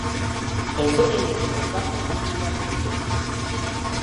Enseenene biwuka ebirina sizoni.